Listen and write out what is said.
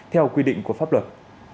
theo quy định của pháp luật